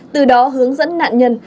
từ đó hướng dẫn nạn nhân